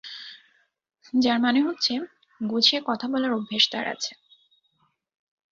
যার মানে হচ্ছে, গুছিয়ে কথা বলার অভ্যোস তার আছে।